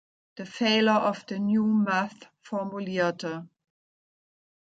The failure of the New Math" formulierte.